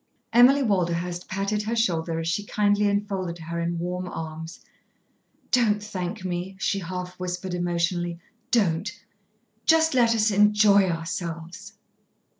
Emily Walderhurst patted her shoulder as she kindly enfolded her in warm arms. "Don't thank me," she half whispered emotionally. "Don't. Just let us enjoy ourselves."